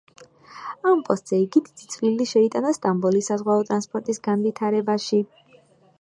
ამ პოსტზე იგი დიდი წვლილი შეიტანა სტამბოლის საზღვაო ტრანსპორტის განვითარებაში.